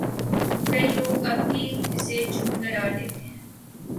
کئی لوگ اب بھی اسے جھوٹ قرار دیتے ہیں